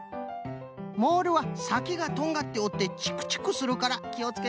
モールはさきがとんがっておってチクチクするからきをつけてのう。